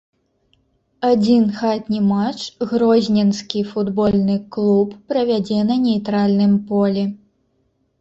Адзін хатні матч грозненскі футбольны клуб правядзе на нейтральным полі.